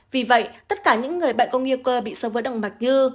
vì vậy tất cả những người bệnh có nguy cơ bị sơ vỡ động mạch như